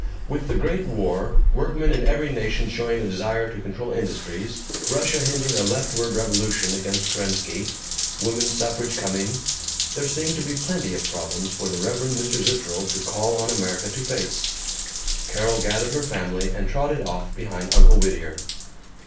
With the great war, workmen in every nation showing a desire to control industries, Russia hinting a leftward revolution against Kerensky, woman suffrage coming, there seemed to be plenty of problems for the Reverend Mr. Zitterel to call on America to face. Carol gathered her family and trotted off behind Uncle Whittier.